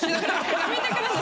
やめてください。